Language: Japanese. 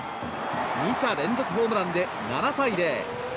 ２者連続ホームランで７対０。